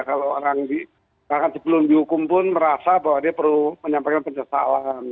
kalau orang sebelum dihukum pun merasa bahwa dia perlu menyampaikan penyesalan